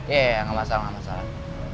iya nggak masalah